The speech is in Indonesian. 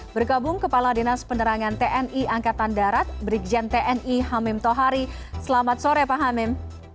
bergabung kepala dinas penerangan tni angkatan darat brigjen tni hamim tohari selamat sore pak hamim